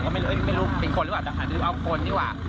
ก็ไม่รู้เป็นคนหรือเปล่าแต่หาซื้อเอาคนดีกว่า